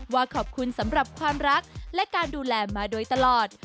ว่าขอบคุณสำหรับความรักและการดูแลมาโดยตลอด